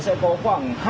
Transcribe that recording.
sẽ có khoảng